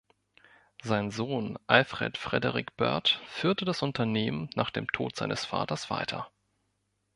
Sein Sohn Alfred Frederick Bird führte das Unternehmen nach dem Tod seines Vaters weiter.